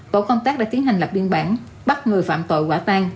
tổ công tác đã tiến hành lập biên bản bắt người phạm tội quả tan